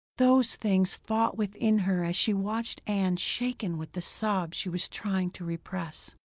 Those things fought within her as she watched Ann shaken with the sobs she was trying to repress.